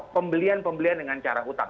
pembelian pembelian dengan cara utang